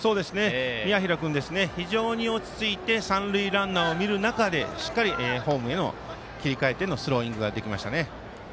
宮平君、非常に落ち着いて三塁ランナーを見る中でホームへ切り替えてのスローイングができましたね。